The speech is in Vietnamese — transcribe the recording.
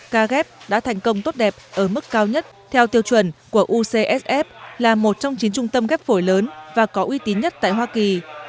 ca ghép đã thành công tốt đẹp ở mức cao nhất theo tiêu chuẩn của ucsf là một trong chín trung tâm ghép phổi lớn và có uy tín nhất tại hoa kỳ